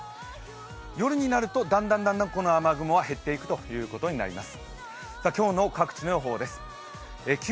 夜になるとだんだんこの雨雲は減っていくことになります。